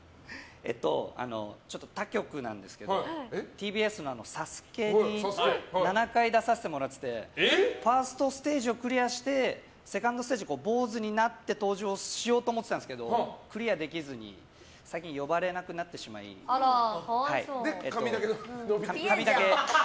ちょっと他局なんですけどＴＢＳの「ＳＡＳＵＫＥ」に７回出させてもらっててファーストステージをクリアしてセカンドステージ坊主になって登場しようと思ってたんですけどクリアできずにで、髪だけ伸びて。